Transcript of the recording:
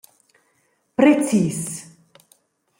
Precis.